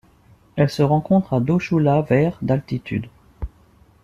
Elle se rencontre à Dochu-la vers d'altitude.